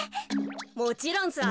もちろんさ。